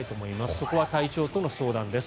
そこは体調との相談です